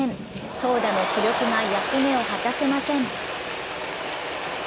投打の主力が役目を果たせません。